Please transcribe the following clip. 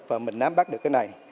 và mình nám bắt được cái này